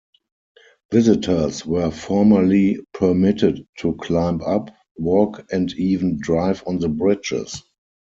Visitors were formerly permitted to climb up, walk and even drive on the bridges.